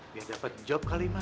biar dapet job kali mah